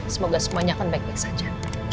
semoga semuanya akan baik baik saja